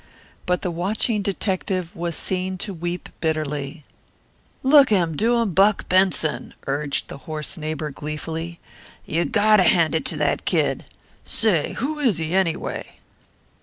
But the watching detective was seen to weep bitterly. "Look a' him doin' Buck Benson," urged the hoarse neighbour gleefully. "You got to hand it to that kid say, who is he, anyway?"